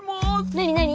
なになに？